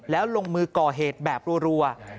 แล้วลงมือก่อเหตุแบบรัว